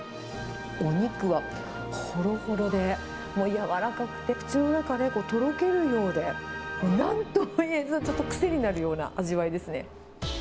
お肉はほろほろで、もう柔らかくて、口の中でとろけるようで、なんともいえずちょっと癖になるような味わいですね。